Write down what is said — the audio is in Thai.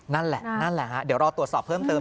นั่นแหละนั่นแหละฮะเดี๋ยวรอตรวจสอบเพิ่มเติม